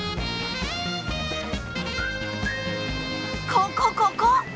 ここここ！